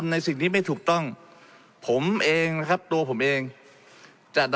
และมีผลกระทบไปทุกสาขาอาชีพชาติ